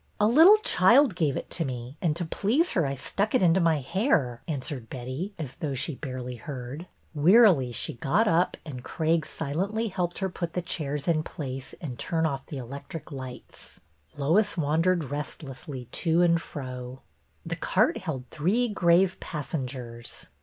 " A little child gave it to me and to please her I stuck it into my hair," answered Betty, as though she barely heard. Wearily she got up and Craig silently helped her put the chairs in place and turn off the electric lights. Lois wan dered restlessly to and fro. The cart held three grave passengers.